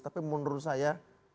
tapi menurut saya